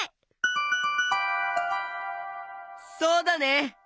そうだね！